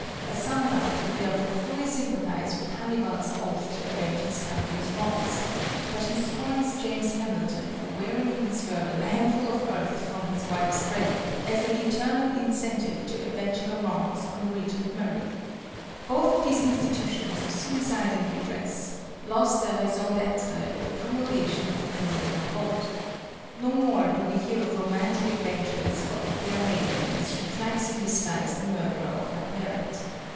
A samurai could therefore fully sympathize with Hannibal's oath to avenge his country's wrongs, but he scorns James Hamilton for wearing in his girdle a handful of earth from his wife's grave, as an eternal incentive to avenge her wrongs on the Regent Murray. Both of these institutions of suicide and redress lost their raison d'être at the promulgation of the criminal code. No more do we hear of romantic adventures of a fair maiden as she tracks in disguise the murderer of her parent.